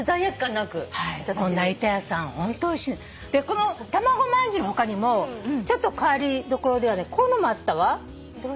このたまごまんじゅうの他にもちょっと変わりどころではねこういうのもあったわ。